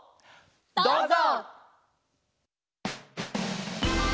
どうぞ！